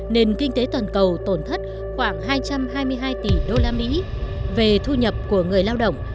nền kinh tế toàn cầu tổn thất khoảng hai trăm hai mươi hai tỷ đô la mỹ về thu nhập của người lao động